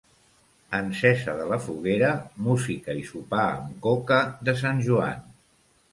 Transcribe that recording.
Encesa de la foguera, música i sopar amb coca de Sant Joan.